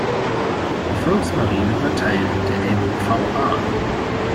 Die Volksmarine war Teil der N-V-A.